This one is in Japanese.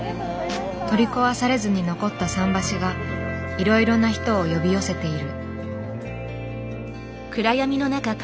取り壊されずに残った桟橋がいろいろな人を呼び寄せている。